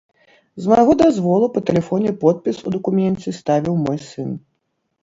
З майго дазволу па тэлефоне подпіс у дакуменце ставіў мой сын.